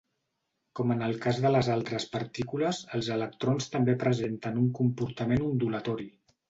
Com en el cas de les altres partícules, els electrons també presenten un comportament ondulatori.